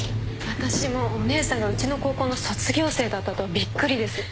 私もお姉さんがうちの高校の卒業生だったとはびっくりです。